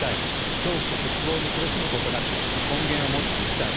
「恐怖と欠乏に苦しむことなく尊厳を持って生きたい」。